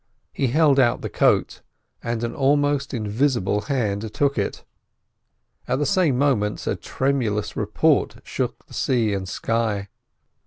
He held out the coat and an almost invisible hand took it; at the same moment a tremendous report shook the sea and sky.